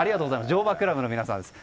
乗馬クラブの皆さんです。